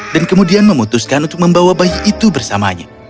dan kemudian memutuskan untuk membawa bayi itu bersamanya